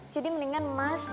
jadi mendingan mas